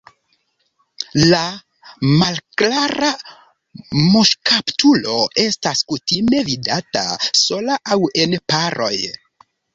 La Malklara muŝkaptulo estas kutime vidata sola aŭ en paroj.